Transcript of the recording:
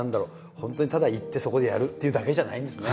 本当にただ行ってそこでやるっていうだけじゃないんですね。